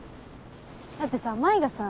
だってさまいがさ